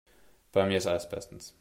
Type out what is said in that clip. Bei mir ist alles bestens.